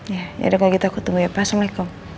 ya yaudah kalau gitu aku tunggu ya assalamualaikum